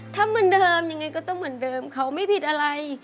ถ้าเหมือนเดิมยังไงก็ต้องเหมือนเดิมเขาไม่ผิดอะไร